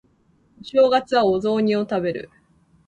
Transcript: お正月はお雑煮を食べる